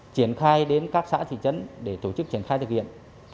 triển khai đến các xã thị trấn để tổ chức triển khai thực hiện